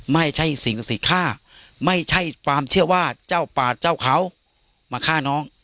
ไม่ใช่สิ่งศักดิ์สิทธิ์ฆ่าไม่ใช่ความเชื่อว่าเจ้าป่าเจ้าเขามาฆ่าน้อง